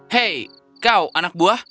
hei kau anak buah